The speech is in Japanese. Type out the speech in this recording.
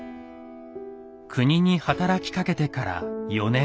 国に働きかけてから４年。